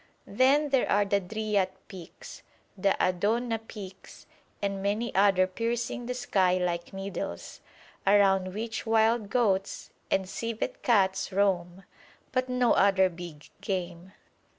Then there are the Driat peaks, the Adouna peaks, and many others piercing the sky like needles, around which wild goats and civet cats roam, but no other big game.